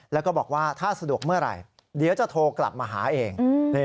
แล้วก็บอกว่าถ้าสะดวกเมื่อไหร่เดี๋ยวจะโทรกลับมาหาเอง